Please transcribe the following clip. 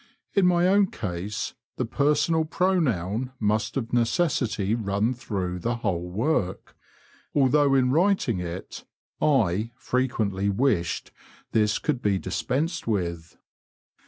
'* In my own case the personal pronoun must of necessity run through the whole worky although in writing it I" frequently wished this could he dispensed with.